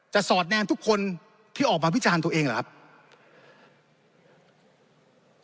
สอดแนนทุกคนที่ออกมาวิจารณ์ตัวเองเหรอครับ